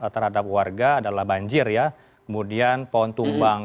terhadap warga adalah banjir ya kemudian pohon tumbang